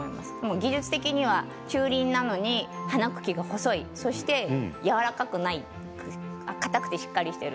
技術的には中輪なのに花茎が細いそして、やわらかくない固くてしっかりしている。